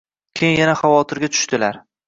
Keyin yana xavotirga tushdilar.